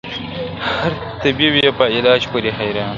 هر طبیب یې په علاج پوري حیران سو؛